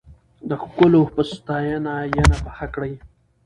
د ښکلو په ستاينه، ينه پخه کړې